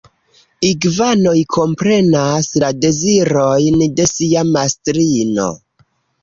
Igvanoj komprenas la dezirojn de sia mastrino.